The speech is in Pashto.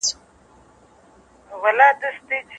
که مېرمن د خاوند پر غوسه زغم وکړي څه کېږي؟